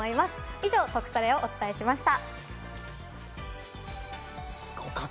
以上、トクトレをお伝えしました。